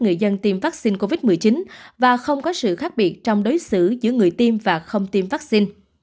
người dân tiêm vaccine covid một mươi chín và không có sự khác biệt trong đối xử giữa người tiêm và không tiêm vaccine